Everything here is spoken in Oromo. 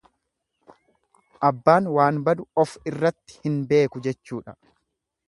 Abbaan waan badu of irratti hin beeku jechuudha.